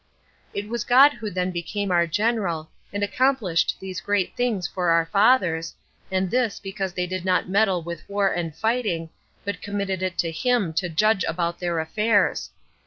It was God who then became our General, and accomplished these great things for our fathers, and this because they did not meddle with war and fighting, but committed it to him to judge about their affairs.